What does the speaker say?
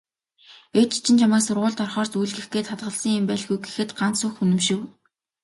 "Ээж чинь чамайг сургуульд орохоор зүүлгэх гээд хадгалсан юм байлгүй" гэхэд Гансүх үнэмшив.